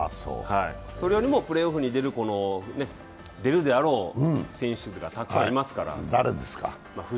それよりもプレーオフに出るであろう選手がたくさんいますから。